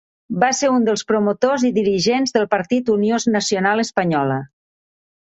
Va ser un dels promotors i dirigents del partit Unió Nacional Espanyola.